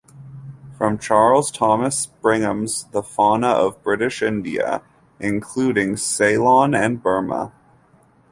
From Charles Thomas Bingham's The Fauna of British India, Including Ceylon and Burma.